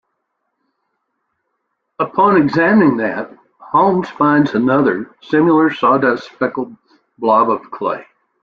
Upon examining that, Holmes finds another, similar, sawdust-speckled blob of clay.